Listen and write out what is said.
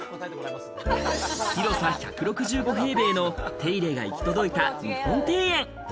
広さ１６５平米の手入れが行き届いた日本庭園。